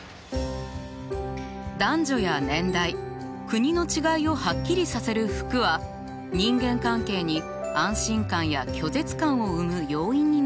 男女や年代国の違いをはっきりさせる服は人間関係に安心感や拒絶感を生む要因になっている。